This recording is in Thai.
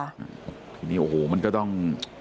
ทีนี้โอ้โหมันก็ต้อง